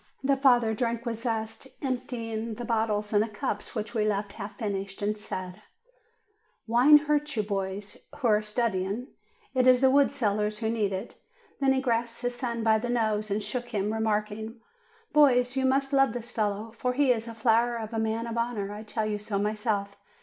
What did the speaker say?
The father drank with zest, emptying the bottles and the cups which we left half finished, and said : "Wine hurts you boys, who are studying; it is the 322 JUNE wood sellers who need it." Then he grasped his son by the nose, and shook him, remarking, ''Boys, you must love this fellow, for he is a flower of a man of honor; I tell you so myself!"